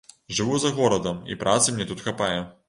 Жыву за горадам, і працы мне тут хапае.